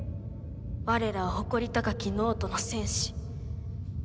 我らは誇り高き脳人の戦士。